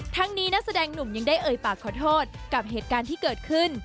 ทั้งนี้นักแสดงหนุ่มยังได้เอ่ยปากขอโทษกับเหตุการณ์ที่เกิดขึ้น